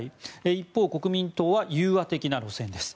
一方、国民党は融和的な路線です。